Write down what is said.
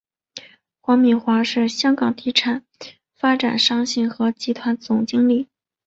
黄敏华是香港地产发展商信和集团总经理。